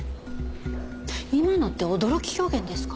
今のって驚き表現ですか？